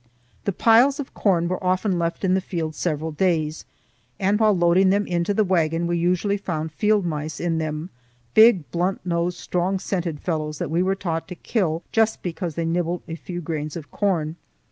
The piles of corn were often left in the field several days, and while loading them into the wagon we usually found field mice in them,—big, blunt nosed, strong scented fellows that we were taught to kill just because they nibbled a few grains of corn.